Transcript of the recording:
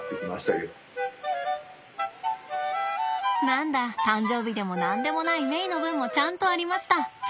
何だ誕生日でも何でもないメイの分もちゃんとありました。